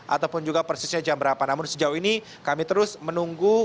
ataupun juga persisnya jam berapa namun sejauh ini kami terus menunggu